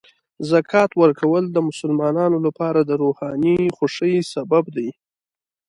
زکات ورکول د مسلمانانو لپاره د روحاني خوښۍ سبب دی.